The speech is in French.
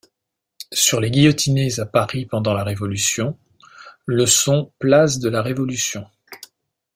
Sur les guillotinées à Paris pendant la Révolution, le sont place de la Révolution.